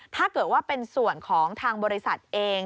ถ้าเกิดว่าเป็นส่วนของทางบริษัทเอง